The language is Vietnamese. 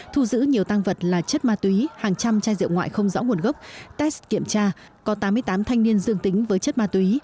thu giữ nhiều tăng vật là chất ma túy hàng trăm chai rượu ngoại không rõ nguồn gốc test kiểm tra có tám mươi tám thanh niên dương tính với chất ma túy